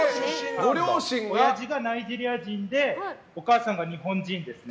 おやじがナイジェリア人でお母さんが日本人ですね。